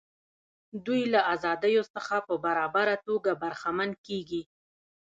دوی له ازادیو څخه په برابره توګه برخمن کیږي.